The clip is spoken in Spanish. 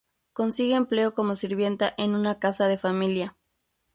Consigue empleo como sirvienta en una casa de familia.